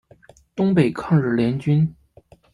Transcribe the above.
东北抗日联军。